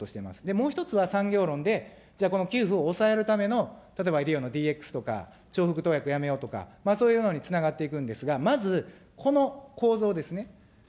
もう１つは、産業論で、じゃあ、この給付を抑えるための、例えば医療のＤＸとか、重複投薬やめようとか、そういうのにつながっていくんですが、まず、この構造ですね。